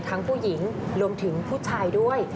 ผู้หญิงรวมถึงผู้ชายด้วย